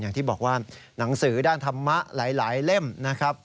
อย่างที่บอกว่าหนังสือด้านธรรมะหลายเล่มนะครับ